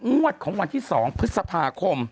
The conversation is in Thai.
งวดของวันที่๒พฤษภาคม